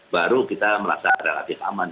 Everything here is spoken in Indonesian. baru kita merasa relatif aman